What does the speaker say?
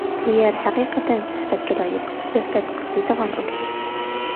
بۇ يەر ھەقىقەتەن سۆھبەتكە لايىق، سۆھبەت قىزىيدىغان ئورۇن.